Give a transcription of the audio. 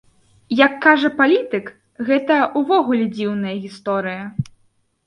Як кажа палітык, гэта ўвогуле дзіўная гісторыя.